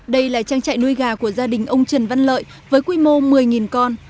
đây là trang trại nuôi gà của gia đình ông trần văn lợi với quy mô một mươi con